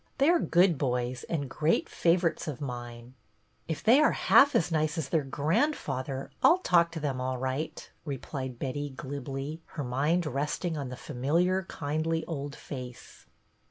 They are good boys and great favorites of mine." " If they are half as nice as their grand father I 'll talk to them all right," replied Betty, glibly, her mind resting on the famil iar, kindly old face.